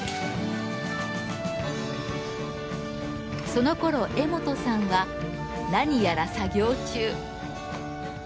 そのころ江本さんは何やら作業中。